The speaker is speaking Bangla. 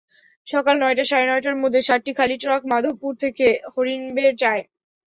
সকাল নয়টা-সাড়ে নয়টার মধ্যে সাতটি খালি ট্রাক মাধবপুর থেকে হরিণবেড় যায়।